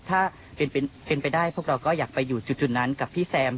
ถ้าเป็นไปได้พวกเราก็อยากไปอยู่จุดนั้นกับพี่แซม